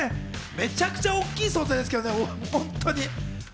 めちゃくちゃ大きい存在ですけどね。